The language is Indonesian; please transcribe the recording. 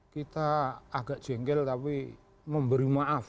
kita agak jengkel tapi memberi maaf